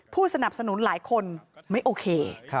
ผู้สนับสนุนหลายคนไม่โอเค